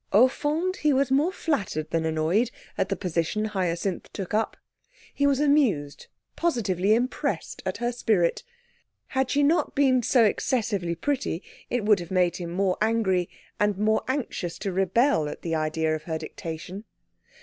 Au fond, he was more flattered than annoyed at the position Hyacinth took up. He was amused, positively impressed, at her spirit. Had she not been so excessively pretty, it would have made him more angry and more anxious to rebel at the idea of her dictation.